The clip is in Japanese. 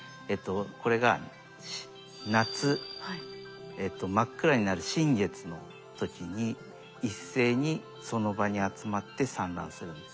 これが夏真っ暗になる新月の時に一斉にその場に集まって産卵するんです。